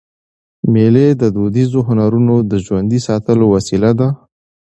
مېلې د دودیزو هنرونو د ژوندي ساتلو وسیله ده.